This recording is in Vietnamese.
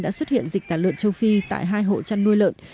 đã xuất hiện dịch tả lợn châu phi tại hai hộ chăn nuôi lợn